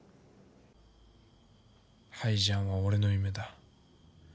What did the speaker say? ハイジャンは俺の夢だ。